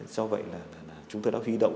do vậy là chúng tôi đã huy động